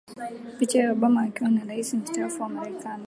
picha ya Obama akiwa na Rais Mstaafu wa Marekani